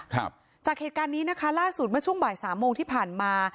ครับจากเหตุการณ์นี้นะคะล่าสุดเมื่อช่วงบ่ายสามโมงที่ผ่านมา